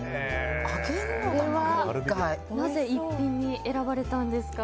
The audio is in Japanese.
これはなぜ逸品に選ばれたんですか。